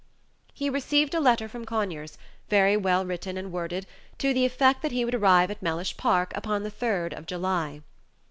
He received a letter from Conyers, very well written and worded, to the effect that he would arrive at Mellish Park upon the third of July.